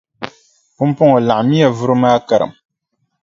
Pumpɔŋɔ laɣimmiya vuri maa karim.